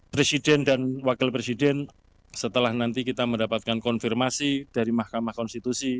presiden dan wakil presiden setelah nanti kita mendapatkan konfirmasi dari mahkamah konstitusi